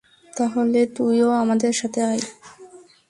তাহলে তুইও আমাদের সাথে আয়।